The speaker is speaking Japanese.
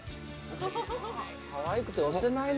かわいくて押せないな。